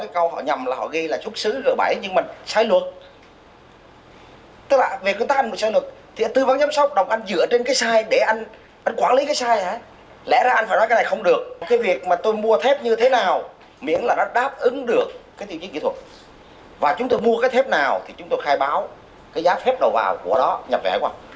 chúng tôi khai báo cái giá thép đầu vào của đó nhập vẽ qua